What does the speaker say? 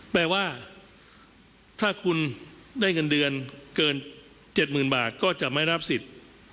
แปลว่าถ้าคุณได้เงินเดือนเกิน๗๐๐๐บาทก็จะไม่รับสิทธิ์